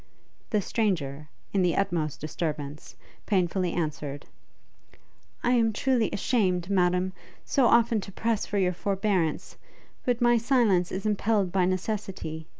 The stranger, in the utmost disturbance, painfully answered, 'I am truly ashamed, Madam, so often to press for your forbearance, but my silence is impelled by necessity!